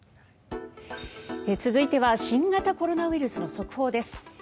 続いては新型コロナウイルスの速報です。